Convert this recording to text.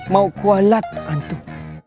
mau kualat antum